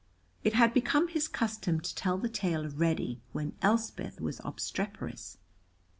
It had become his custom to tell the tale of Reddy when Elspeth was obstreperous.